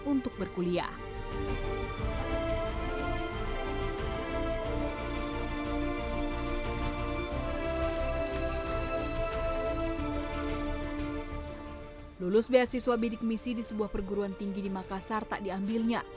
untuk berkuliah lulus beasiswa bidik misi di sebuah perguruan tinggi di makassar tak diambilnya